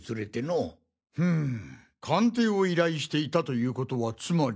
うん鑑定を依頼していたという事はつまり。